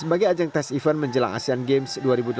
sebagai ajang tes event menjelang asean games dua ribu delapan belas